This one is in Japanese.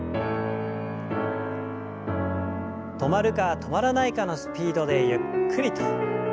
止まるか止まらないかのスピードでゆっくりと。